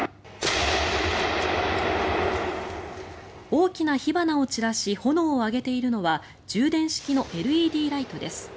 大きな火花を散らし炎を上げているのは充電式のＬＥＤライトです。